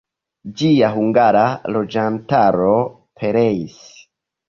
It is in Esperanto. Ĝia hungara loĝantaro pereis.